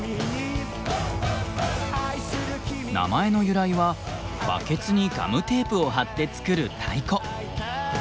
名前の由来はバケツにガムテープを貼って作る太鼓！